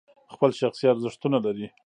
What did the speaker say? خپل شخصي ارزښتونه لري.